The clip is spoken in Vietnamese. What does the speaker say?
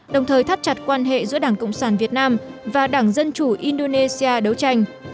đồng thời thắt chặt quan hệ giữa đảng cộng sản việt nam và đảng dân chủ indonesia đấu tranh